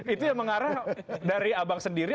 itu yang mengarah dari abang sendiri